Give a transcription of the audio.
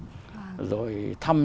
rồi thăm những cái địa phương